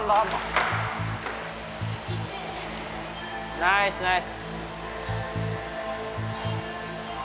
ナイスナイス！